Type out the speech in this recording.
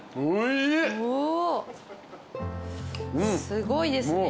すごいですね。